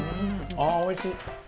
あー、おいしい。